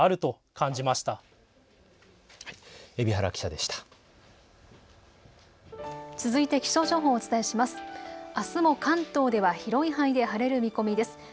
あすも関東では広い範囲で晴れる見込みです。